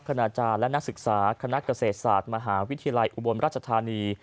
ณอาจารย์และนักศึกษาคณะเกษตรศาสตร์มหาวิทยาลัยอุบลราชธานี